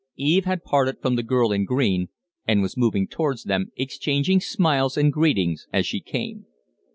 Eve had parted from the girl in green and was moving towards them, exchanging smiles and greetings as she came.